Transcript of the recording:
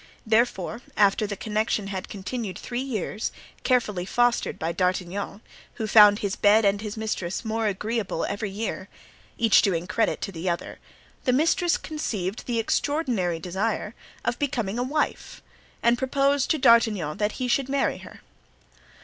Therefore, after the connection had continued three years, carefully fostered by D'Artagnan, who found his bed and his mistress more agreeable every year, each doing credit to the other, the mistress conceived the extraordinary desire of becoming a wife and proposed to D'Artagnan that he should marry her.